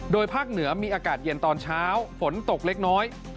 ภาคเหนือมีอากาศเย็นตอนเช้าฝนตกเล็กน้อย